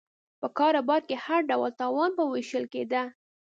په کاروبار کې هر ډول تاوان به وېشل کېده